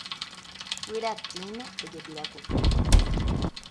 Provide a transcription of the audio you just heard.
Guyratĩme ojepirakutu.